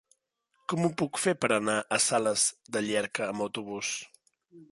Com ho puc fer per anar a Sales de Llierca amb autobús?